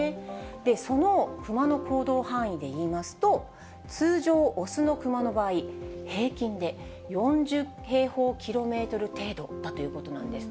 で、そのクマの行動範囲でいいますと、通常、雄のクマの場合、平均で４０平方キロメートル程度だということなんです。